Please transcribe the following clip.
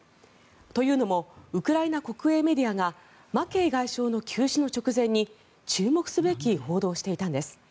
というのもウクライナ国営メディアがマケイ外相の急死の直前に注目すべき報道をしていたのです。